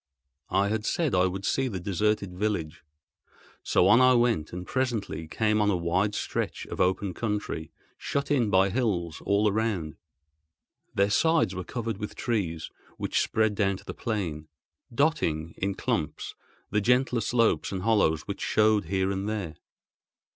I had said I would see the deserted village, so on I went, and presently came on a wide stretch of open country, shut in by hills all around. Their sides were covered with trees which spread down to the plain, dotting, in clumps, the gentler slopes and hollows which showed here and there.